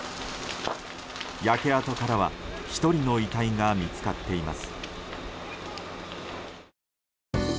焼け跡からは１人の遺体が見つかっています。